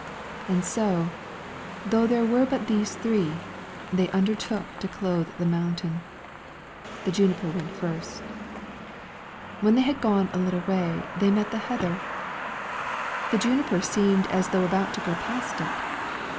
And so, though there were but these three, they undertook to clothe the mountain. The juniper went first. When they had gone a little way, they met the heather. The juniper seemed as though about to go past it.